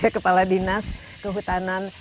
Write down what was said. kepala dinas kehutanan